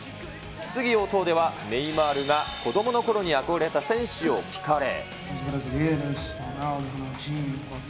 質疑応答ではネイマールが子どものころにあこがれた選手を聞かれ。